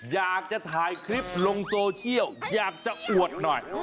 อยากจะถ่ายคลิปลงโซเชียลอยากจะอวดหน่อย